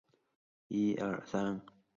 马来西亚商人曾长义在幕后提供资金。